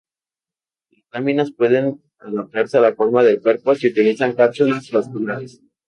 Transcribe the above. Las láminas pueden adaptarse a la forma del cuerpo si utilizan cápsulas basculantes.